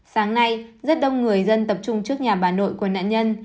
sáng nay rất đông người dân tập trung trước nhà bà nội của nạn nhân